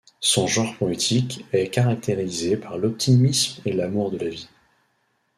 Son genre poétique est caractérisé par l'optimisme et l'amour de la vie.